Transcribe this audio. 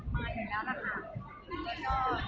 เวลาแรกพี่เห็นแวว